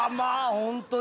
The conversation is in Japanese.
ホントに。